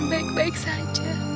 bo junggek calon